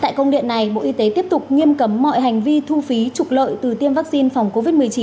tại công điện này bộ y tế tiếp tục nghiêm cấm mọi hành vi thu phí trục lợi từ tiêm vaccine phòng covid một mươi chín